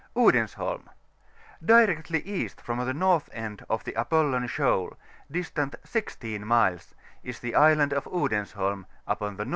ODENSBOLM. — ^Directly east from the north end of the Apollon Shoal, distant 16 miles, is the Island of Odensholm, upon the N.W.